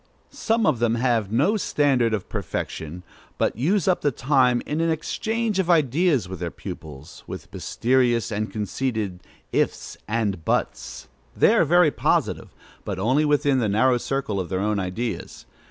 Some of them have no standard of perfection, but use up the time in an exchange of ideas with their pupils, with mysterious and conceited "ifs" and "buts." They are very positive, but only within the narrow circle of their own ideas.